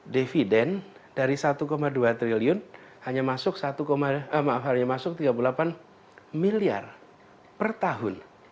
dividen dari satu dua triliun hanya masuk tiga puluh delapan miliar per tahun